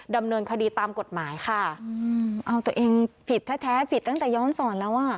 ดำเนินคดีตามกฎหมายค่ะอืมเอาตัวเองผิดแท้แท้ผิดตั้งแต่ย้อนสอนแล้วอ่ะ